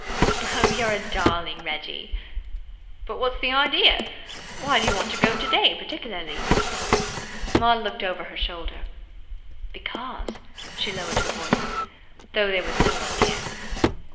"You're a darling, Reggie." "But what's the idea? Why do you want to go today particularly?" Maud looked over her shoulder. "Because " She lowered her voice, though there was no one near.